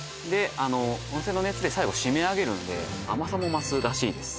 温泉の熱で最後締め上げるんで甘さも増すらしいです